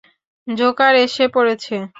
Joker এসে পড়েছে।